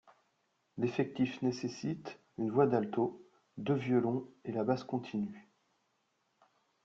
L'effectif nécessite une voix d'alto, deux violons et la basse continue.